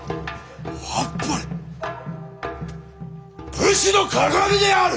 武士の鑑である！